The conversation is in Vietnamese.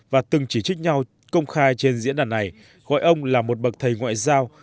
và từng chỉ trích nhau công khai trên diễn đàn này gọi ông là một bậc thầy ngoại giao